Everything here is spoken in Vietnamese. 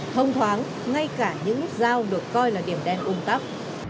thông thoáng ngay cả những giao được coi là điểm đen un tắc